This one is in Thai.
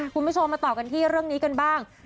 คุณผู้ชมมาต่อกันที่เรื่องนี้กันบ้าง